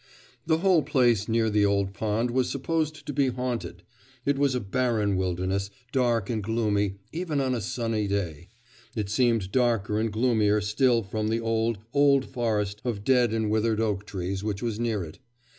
The whole place near the old pond was supposed to be haunted; it was a barren wilderness, dark and gloomy, even on a sunny day it seemed darker and gloomier still from the old, old forest of dead and withered oak trees which was near it.